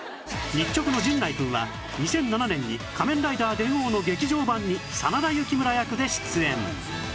日直の陣内くんは２００７年に『仮面ライダー電王』の劇場版に真田幸村役で出演